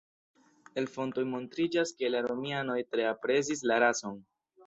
El fontoj montriĝas ke la Romianoj tre aprezis la rason.